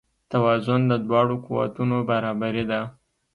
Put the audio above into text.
توازن د دواړو قوتونو برابري ده.